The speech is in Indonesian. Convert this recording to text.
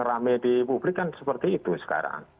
karena media publik kan seperti itu sekarang